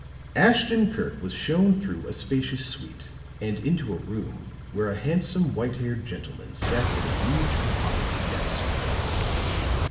Ashton Kirk was shown through a spacious suite and into a room where a handsome white haired gentleman sat at a huge mahogany desk.